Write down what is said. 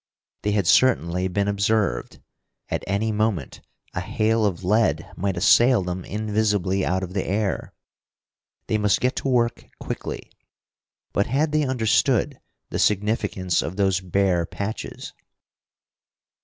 They had certainly been observed; at any moment a hail of lead might assail them invisibly out of the air. They must get to work quickly. But had they understood the significance of those bare patches?